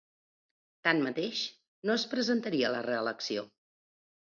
Tanmateix, no es presentaria a la reelecció.